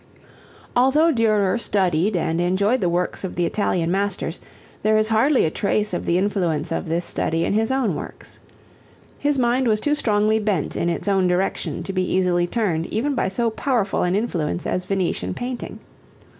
Although Durer studied and enjoyed the works of the Italian masters, there is hardly a trace of the influence of this study in his own works. His mind was too strongly bent in its own direction to be easily turned even by so powerful an influence as Venetian painting.